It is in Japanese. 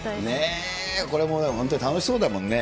これも本当に楽しそうだもんね。